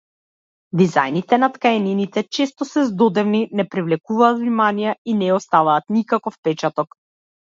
Дизајните на ткаенините често се здодевни, не привлекуваат внимание, и не оставаат никаков впечаток.